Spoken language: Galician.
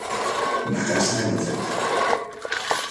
Na casa e no centro.